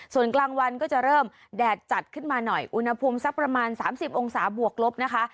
ส่วนกลางวันก็จะเริ่มแดดจัดขึ้นมาหน่อยอุณหภูมิสักประมาณ๓๐องศาบวกลบนะคะ